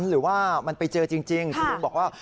หรือว่ามันไปเจอจริงคุณลุงบอกว่า